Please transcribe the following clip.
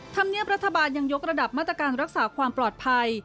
ธรรมเนียบรัฐบาลยังยกระดับมาตรการรักษาความปลอดภัย